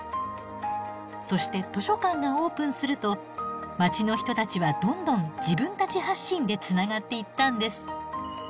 そして図書館がオープンすると街の人たちはどんどん自分たち発信でつながっていったんです。